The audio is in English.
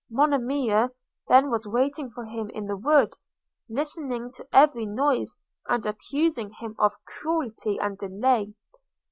– Monimia then was waiting for him in the wood, listening to every noise, and accusing him of cruelty and delay!